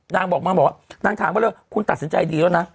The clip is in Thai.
นางบอกมาบอกว่านางถามไปเลยคุณตัดสินใจดีแล้วนะ